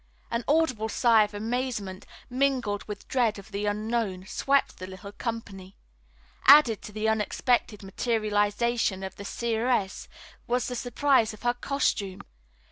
An audible sigh of amazement, mingled with dread of the unknown, swept the little company. Added to the unexpected materialization of the seeress was the surprise of her costume.